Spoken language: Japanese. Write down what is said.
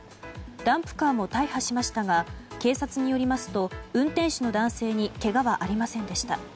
ダンプカーも大破しましたが警察によりますと運転手の男性にけがはありませんでした。